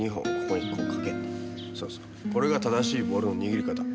これが正しいボールの握り方。